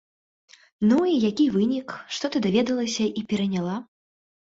Ну і які вынік, што ты даведалася і пераняла?